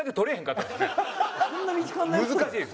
難しい。